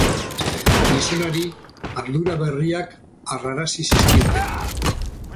Gizonari ardura berriak harrarazi zizkioten.